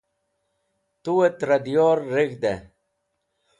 Tuet Ra Diyor Reg̃hde